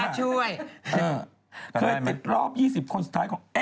เจ้าตายเล่า